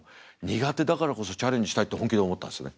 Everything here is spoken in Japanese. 苦手だからこそチャレンジしたい」って本気で思ったんですね。